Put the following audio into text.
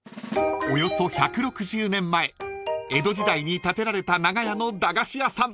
［およそ１６０年前江戸時代に建てられた長屋の駄菓子屋さん